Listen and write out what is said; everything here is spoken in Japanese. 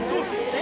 え！